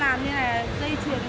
bạn thì phải hiểu hơn